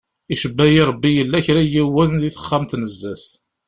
Icebba-yi Ṛebbi yella kra n yiwen di texxamt-nni n zdat.